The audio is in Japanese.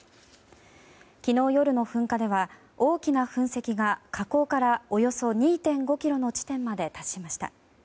昨日夜の噴火では大きな噴石が火口からおよそ２．５ｋｍの地点まで達しました。